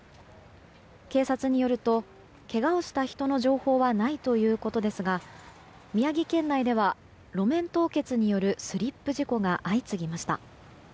警察によると、けがをした人の情報はないということですが宮城県内では路面凍結によるスリップ事故が相次ぎました。